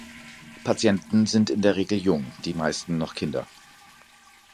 Patienten sind in der Regel jung, die meisten noch Kinder.